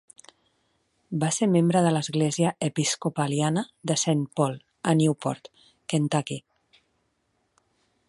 Va ser membre de l"església episcopaliana de Saint Paul a Newport, Kentucky.